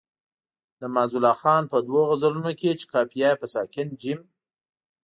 د معزالله خان په دوو غزلونو کې چې قافیه یې په ساکن جیم.